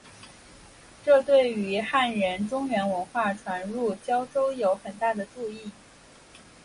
这对于汉人中原文化传入交州有很大的助益。